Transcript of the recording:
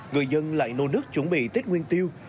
người dân lại nô nước chuẩn bị tết nguyên tiêu